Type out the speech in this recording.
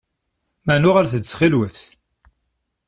Meɛna uɣalet-d ttxil-wet!